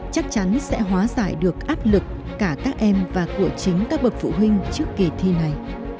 chắc chắn sẽ hóa giải được áp lực cả các em và của chính các bậc phụ huynh trước kỳ thi này